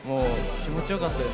気持ちよかったです。